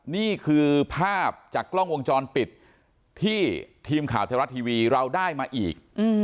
นี่คือภาพจากกล้องวงจรปิดที่ทีมข่าวไทยรัฐทีวีเราได้มาอีก